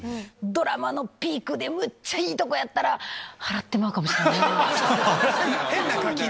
ドラマのピークで、むっちゃいいとこやったら、払ってまうかもしんないなぁ。